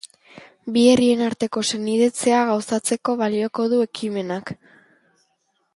Bi herrien arteko senidetzea gauzatzeko balioko du ekimenak.